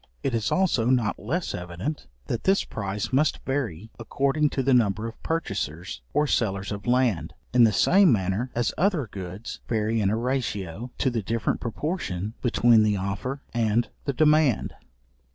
It is also not less evident, that this price must vary according to the number of purchasers, or sellers of land, in the same manner as other goods vary in a ratio to the different proportion between the offer and the demand.